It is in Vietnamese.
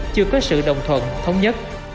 chưa có sự đồng thuận thống nhất